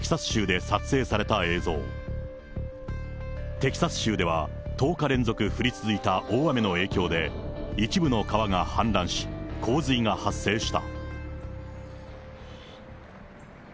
テキサス州では１０日連続降り続いた大雨の影響で、一部の川が氾濫し、洪水が発生した。